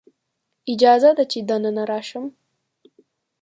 اجازه ده چې دننه راشم؟